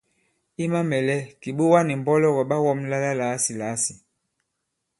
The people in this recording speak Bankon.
I mamɛ̀lɛ, kìɓòga nì mbɔlɔgɔ̀ ɓa wɔ̄mla la làasìlàasì.